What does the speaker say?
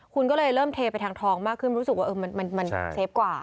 คุณก็เลยเริ่มเทไปทางทองมากขึ้นรู้สึกว่ามันเซฟกว่า